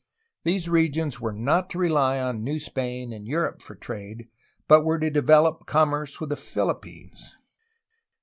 These regions were not to rely on New Spain and Europe for trade, but were to develop com merce with the Philippines.